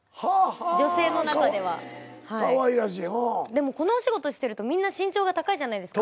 でもこのお仕事してるとみんな身長が高いじゃないですか